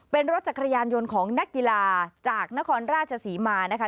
เป็นรถจักรยานยนต์ของนักกีฬาจากนครราชศรีมานะคะ